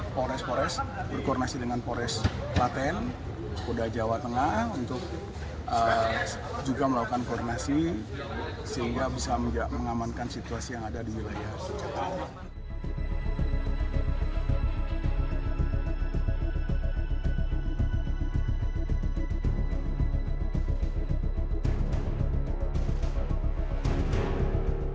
pores pores berkoordinasi dengan pores latin kuda jawa tengah untuk juga melakukan koordinasi sehingga bisa mengamankan situasi yang ada di wilayah jogja